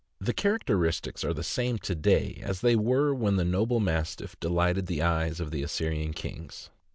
The characteristics are the same to day as they were when the noble Mastiff delighted the eyes of the Assyrian kings."